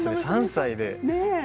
３歳で。